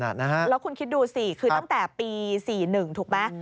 แล้วคุณคิดดูสิคือตั้งแต่ปี๔๑ถูกไหม